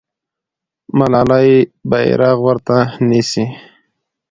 ملالۍ بیرغ ورته نیسي.